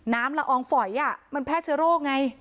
น้ำละอองฝอยภรรภาชโรคไง